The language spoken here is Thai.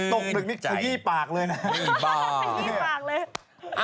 ตกหนึ่งคือยี่ปากเลยนะชื่นปากเลยไม่เป็นไร